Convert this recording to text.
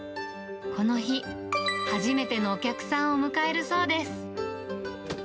この日、初めてのお客さんを迎えるそうです。